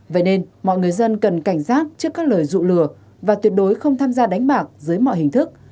vậy nên mọi người dân cần cảnh giác trước các lời dụ lừa và tuyệt đối không tham gia đánh bạc dưới mọi hình thức